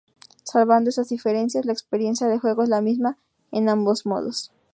Salvando esas diferencias, la experiencia de juego es la misma en ambos modos.